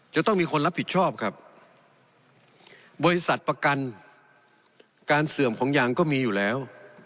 จะต้องมีคนรับผิดชอบครับบริษัทประกันการเสื่อมของยางก็มีอยู่แล้ว